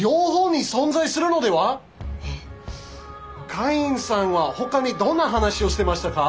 カインさんはほかにどんな話をしてましたか？